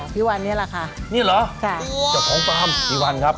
พี่วันนี้แหละค่ะนี่เหรอค่ะเจ้าของฟาร์มพี่วันครับ